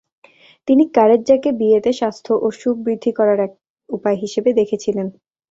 তিনি কারেজ্জাকে বিয়েতে স্বাস্থ্য ও সুখ বৃদ্ধি করার এক উপায় হিসেবে দেখেছিলেন।